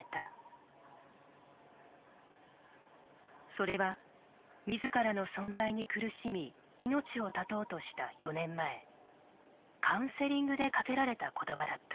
それは自らの存在に苦しみ命を絶とうとした４年前カウンセリングでかけられた言葉だった。